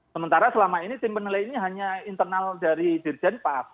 sementara selama ini tim penilai ini hanya internal dari dirjen pas